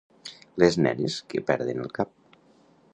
Les nenes que perden el cap.